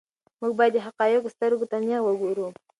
موږ باید د حقایقو سترګو ته نیغ وګورو.